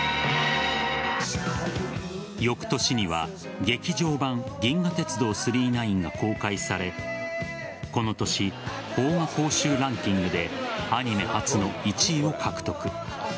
翌年には劇場版「銀河鉄道９９９」が公開されこの年、邦画興収ランキングでアニメ初の１位を獲得。